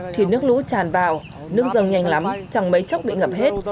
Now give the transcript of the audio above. thì nước lũ tràn vào nước dâng nhanh lắm chẳng mấy chốc bị ngập hết